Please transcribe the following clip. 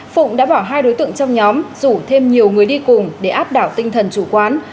phụng đã bỏ hai đối tượng trong nhóm rủ thêm nhiều người đi cùng để áp đảo tinh thần chủ quán